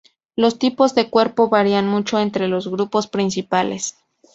Los tipos de cuerpo varían mucho entre los grupos principales.